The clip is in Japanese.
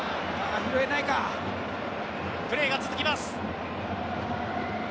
プレーが続きます。